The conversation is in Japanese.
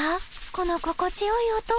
この心地よい音